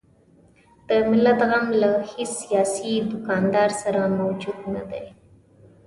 د ملت غم له هیڅ سیاسي دوکاندار سره موجود نه دی.